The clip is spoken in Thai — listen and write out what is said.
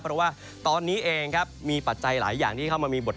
เพราะว่าตอนนี้เองมีภาษาหลายอย่างที่เข้ามามีบทบัตร